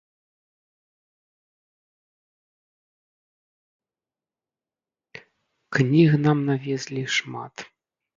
Кніг нам навезлі шмат.